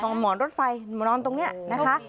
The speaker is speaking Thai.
เอาหมอนรถไฟมานอนตรงนี้นะคะ